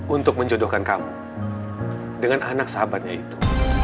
untuk menjodohkan kamu dengan anak sahabatnya itu